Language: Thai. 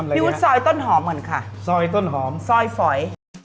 พี่อุ๊ดซอยต้นหอมเหมือนค่ะซอยต้นหอมซอยฝอย